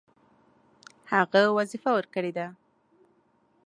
هغه وظیفه ورکړې ده.